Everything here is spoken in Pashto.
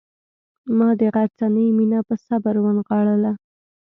ما د غرڅنۍ مینه په صبر ونغاړله.